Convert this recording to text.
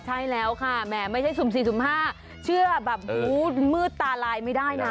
ใช่แล้วค่ะแหมไม่ใช่สุ่ม๔สุ่ม๕เชื่อแบบหูมืดตาลายไม่ได้นะ